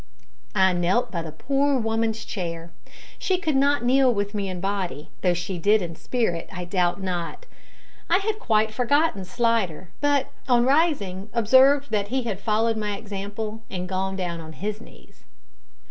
I knelt by the poor woman's chair; she could not kneel with me in body, though she did in spirit, I doubt not. I had quite forgotten Slidder, but, on rising, observed that he had followed my example and gone down on his knees.